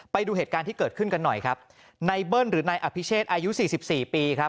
ไปดูเหตุการณ์ที่เกิดขึ้นกันหน่อยครับนายเบิ้ลหรือนายอภิเชษอายุสี่สิบสี่ปีครับ